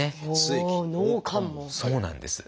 そうなんです。